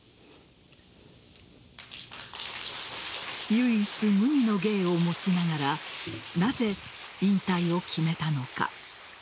唯一無二の芸を持ちながらなぜ、引退を決めたのか。